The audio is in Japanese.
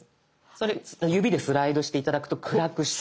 それ指でスライドして頂くと暗くしたり。